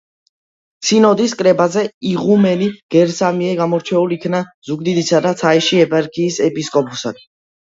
სინოდის კრებაზე იღუმენი გერასიმე გამორჩეულ იქნა ზუგდიდისა და ცაიშის ეპარქიის ეპისკოპოსად.